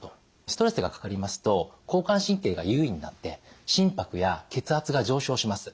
ストレスがかかりますと交感神経が優位になって心拍や血圧が上昇します。